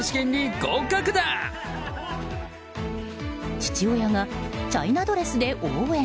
父親がチャイナドレスで応援。